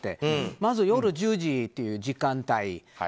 まず夜１０時という時間帯。